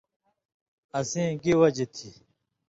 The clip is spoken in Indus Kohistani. اسیں گی وجی تھی: